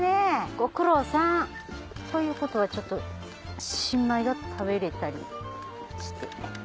ご苦労さん。ということは新米が食べれたりして？